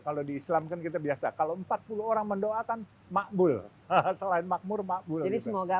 kalau di islam kan kita biasa kalau empat puluh orang mendoakan makbul selain makmur makmur